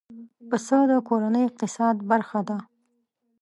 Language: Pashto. پسه د کورنۍ اقتصاد برخه ده.